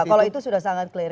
kalau itu sudah sangat clear